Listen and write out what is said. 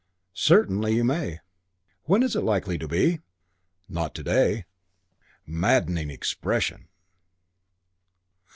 "Certainly you may." "When is it likely to be?" "Not to day." Maddening expression!